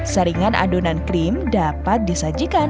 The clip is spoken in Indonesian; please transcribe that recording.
saringan adonan krim dapat disajikan